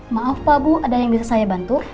maaf pak bu ada yang bisa saya bantu